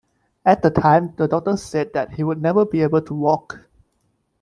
At the time the doctor said that he would never be able to walk.